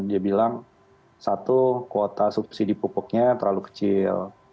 dia bilang satu kuota subsidi pupuknya terlalu kecil